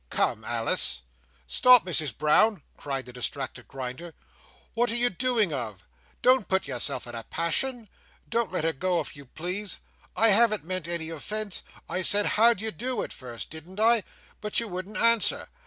Come, Alice." "Stop, Misses Brown!" cried the distracted Grinder. "What are you doing of? Don't put yourself in a passion! Don't let her go, if you please. I haven't meant any offence. I said 'how d'ye do,' at first, didn't I? But you wouldn't answer.